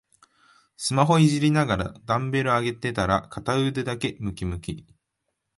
スマホいじりながらダンベル上げてたら片腕だけムキムキ